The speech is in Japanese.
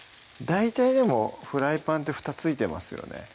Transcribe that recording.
大体でもフライパンってふた付いてますよね